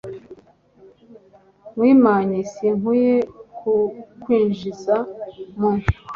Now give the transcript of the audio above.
mwimanyi sinkwiye, kukwinjiza mu